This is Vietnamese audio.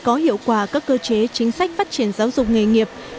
có hiệu quả các cơ chế chính sách phát triển giáo dục nghề nghiệp